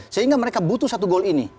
sehingga mereka butuh satu gol ini